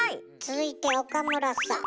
続いて岡村さぁ。